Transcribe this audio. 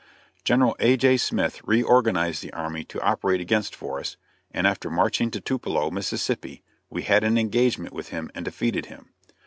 General A. J. Smith re organized the army to operate against Forrest, and after marching to Tupalo, Mississippi, we had an engagement with him and defeated him.